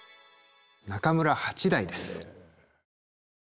中村八大です。